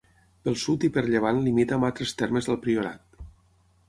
Pel sud i per llevant limita amb altres termes del Priorat: